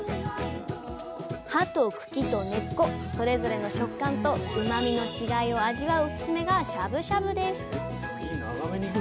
葉と茎と根っこそれぞれの食感とうまみの違いを味わうオススメがしゃぶしゃぶです。